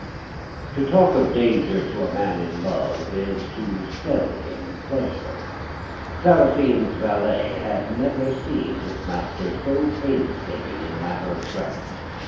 "To talk of danger to a man in love is to sell him pleasure. Sarrasine's valet had never seen his master so painstaking in the matter of dress.